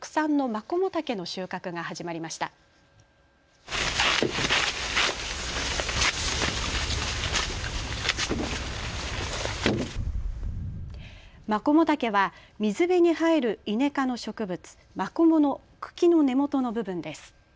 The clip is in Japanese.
マコモタケは水辺に生えるイネ科の植物、マコモの茎の根元の部分です。